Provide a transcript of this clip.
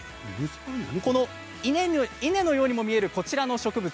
稲のようにも見えるこちらの植物